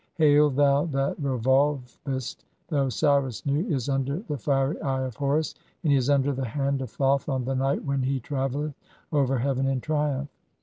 Hail, thou that revolvest, the Osiris Nu "(6) is under the fiery Eye of Horus, and he is under the hand "of Thoth on the night when he travelleth over heaven in "triumph.